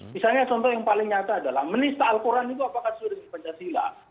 misalnya contoh yang paling nyata adalah menista al quran itu apakah sudah di pancasila